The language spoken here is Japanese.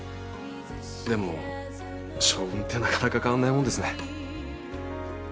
でも性分ってなかなか変わんないもんですね。